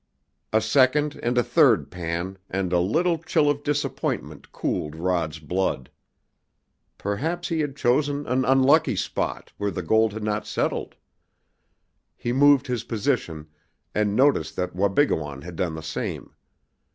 A second and a third pan, and a little chill of disappointment cooled Rod's blood. Perhaps he had chosen an unlucky spot, where the gold had not settled! He moved his position, and noticed that Wabigoon had done the same.